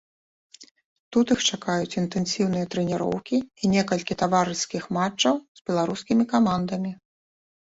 Тут іх чакаюць інтэнсіўныя трэніроўкі і некалькі таварыскіх матчаў з беларускімі камандамі.